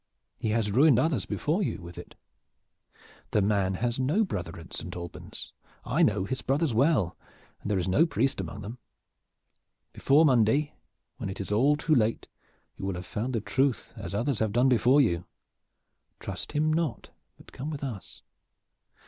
He has ruined others before you with it. The man has no brother at Saint Albans. I know his brothers well, and there is no priest among them. Before Monday, when it is all too late, you will have found the truth as others have done before you. Trust him not, but come with us!"